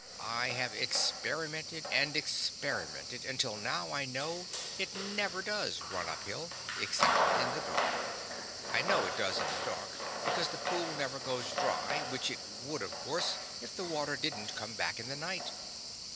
I have experimented and experimented until now I know it never does run uphill, except in the dark. I know it does in the dark, because the pool never goes dry, which it would, of course, if the water didn't come back in the night.